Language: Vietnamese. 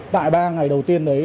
tại ba ngày đầu tiên đấy